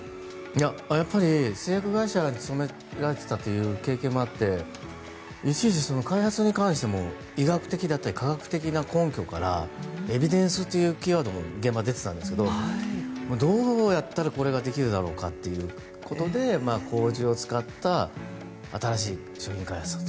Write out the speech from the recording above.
やっぱり製薬会社に勤められていたという経験もあって開発に関しても医学的だったり科学的な根拠からエビデンスというキーワードも現場で出てたんですがどうやったらこれができるだろうかということで麹を使った新しい商品開発